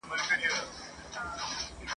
پکښي لوښي د لکونو دي زعفران دي !.